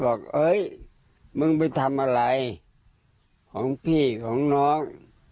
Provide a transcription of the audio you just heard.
บอกเอ้ยมึงไปทำอะไรของพี่ของน้อง